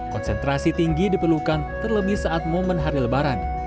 konsentrasi tinggi diperlukan terlebih saat momen hari lebaran